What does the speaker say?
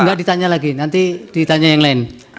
enggak ditanya lagi nanti ditanya yang lain